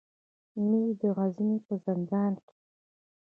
مې د غزني په زندان کې.